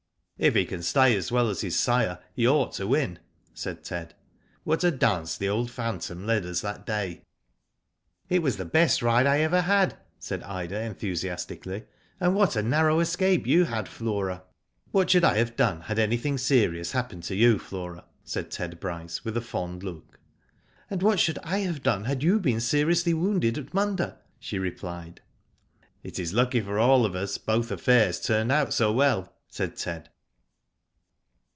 ^' If he can stay as well as his sire he ought to win," said Ted. Wh^t ^ (Jance the old phs^nto^K^ led us that day." Digitized byGoogk THE GHOST WINS. 265 "It was the. best ride I ever had/' said Ida, en thusiastically; "and what a narrow escape you had, Flora." " What should I have done, had anything serious happened to you, Flora ?" said Ted Bryce, with a fond look. " And what should I have done, had you been seriously wounded at Munda?" she replied. " It is lucky for all of us both affairs turned out so well," said Ted.